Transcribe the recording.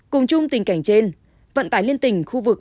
cùng chung tình cảnh trên vận tải liên tỉnh khu vực